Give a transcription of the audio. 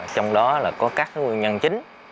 trong đó là có các nguyên nhân chính